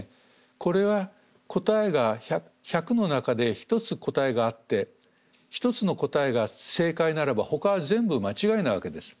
これは答えが１００の中で１つ答えがあって１つの答えが正解ならばほかは全部間違いなわけです。